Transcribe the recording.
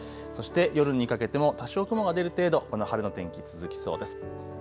そして夜にかけても多少雲が出る程度、この晴れの天気続きそうです。